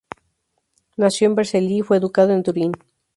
Nació en Vercelli y fue educado en Turín.